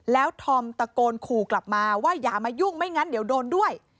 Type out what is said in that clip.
แล้วธอมตะโกนขู่กลับมาว่าอย่ามายุ่งไม่งั้นเดี๋ยวโดนด้วย